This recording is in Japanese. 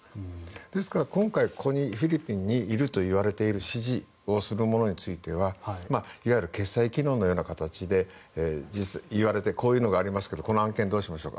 ですから今回フィリピンにいるといわれている指示をする者についてはいわゆる決済機能のような形で言われてこういうのがありますがこの案件どうですか。